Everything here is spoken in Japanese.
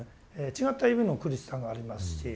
違った意味の苦しさがありますし。